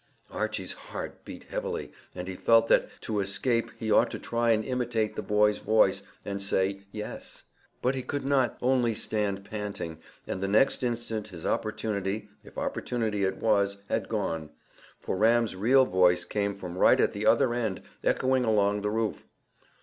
Archy's heart beat heavily, and he felt that, to escape, he ought to try and imitate the boy's voice, and say "Yes." But he could not only stand panting, and the next instant his opportunity, if opportunity it was, had gone. For Ram's real voice came from right at the other end, echoing along the roof.